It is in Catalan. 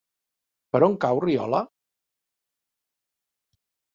Per on cau Riola?